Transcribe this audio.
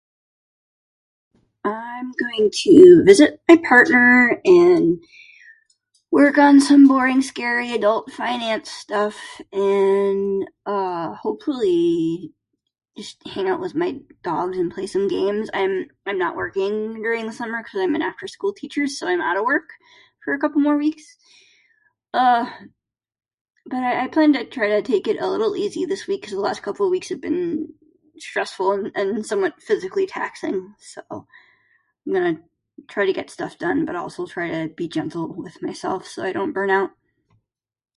I'm going to visit my partner and work on some boring scary adult finance stuff and, uh, hopefully just hang out with my dogs and play some games. I'm I'm not working during the summer cuz I'm an after-school teacher so I'm outta work for a couple more weeks. Uh, but I I plan to try to take it a little easy this week cuz the last couple weeks have been stressful and somewhat physically taxing. So, I'm gonna try to get stuff done but also try to be gentle with myself so I don't burn out.